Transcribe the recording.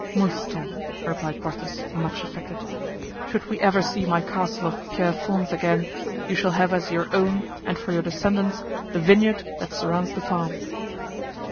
"Mouston," replied Porthos, much affected, "should we ever see my castle of Pierrefonds again you shall have as your own and for your descendants the vineyard that surrounds the farm."